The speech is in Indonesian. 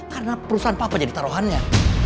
karena perusahaan papa jadi taruhannya